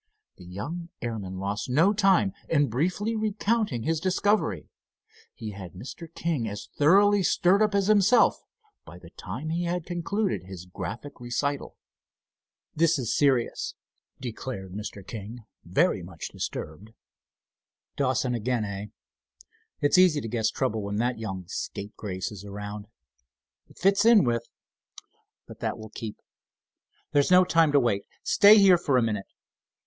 The young airman lost no time in briefly recounting his discovery. He had Mr. King as thoroughly stirred up as himself by the time he had concluded his graphic recital. "This is serious," declared Mr. King, very much disturbed. "Dawson again, eh? It's easy to guess trouble when that young scapegrace is around. It fits in with—but that will keep. There is no time to wait. Stay here for a minute."